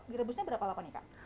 gerebusnya berapa lakon ika